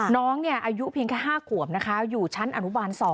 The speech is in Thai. น้องอายุเพียงแค่๕ขวบนะคะอยู่ชั้นอนุบาล๒